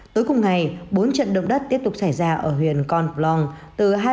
tối cùng ngày bốn trận động đất tiếp tục xảy ra ở huyền con plong từ hai mươi giờ đến hai mươi một giờ